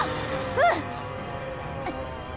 うん！